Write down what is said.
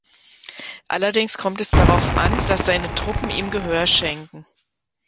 Allerdings kommt es darauf an, dass seine Truppen ihm Gehör schenken.